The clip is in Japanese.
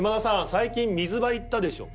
最近水場行ったでしょ」。